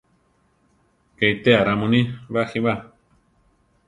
¡Ké itéa ra muní ! baʼjí ba!